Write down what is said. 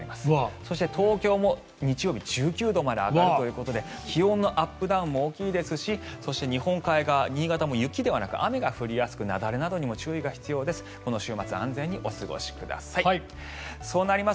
そして東京も日曜日は１９度まで上がるということで気温のアップダウンも大きいですしそして日本海側、新潟も雪ではなく雨が降りやすく雪崩などにも注意が必要です。